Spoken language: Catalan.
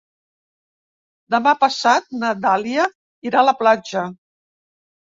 Demà passat na Dàlia irà a la platja.